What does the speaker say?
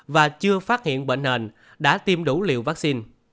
và chưa phát hiện bệnh nền đã tiêm đủ liều vaccine